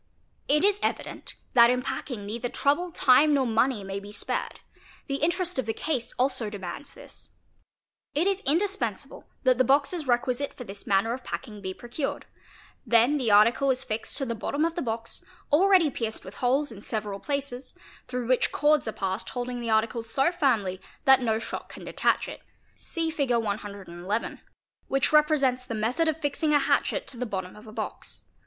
It is evident that in packing neither trouble, time, nor money may be , spared ; the interest of the case also demands this. It is indispensable 590 TRACES OF BLOOD that the boxes requisite for this manner of packing be procured; then the article is fixed to the bottom of the box, already pierced with holes in several places, through which cords are passed holding the article so firmly that no shock can detach it; see Fig. 111, which represents the method of Fig. 111. fixing a hatchet to the bottom of a box.